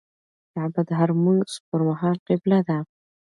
کعبه د هر لمونځه پر مهال قبله ده.